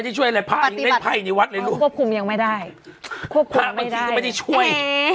เผาภายในวัดเลยวัดไม่ได้ช่วย